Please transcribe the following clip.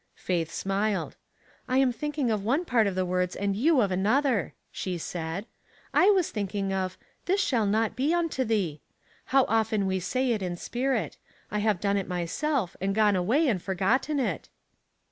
Faith smiled. " 1 am thinking of one part of the words and you of another," she said. " I was thinking of ' This shall not be unto thee.' How often we say it in spirit ; I have done it myself, and gone away and forgotten it."